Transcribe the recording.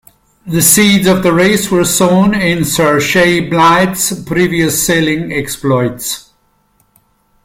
The seeds of the race were sown in Sir Chay Blyth's previous sailing exploits.